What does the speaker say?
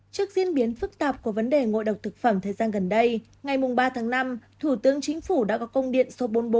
trước diễn biến phức tạp của vấn đề ngộ độc thực phẩm thời gian gần đây ngày ba tháng năm thủ tướng chính phủ đã có công điện số bốn mươi bốn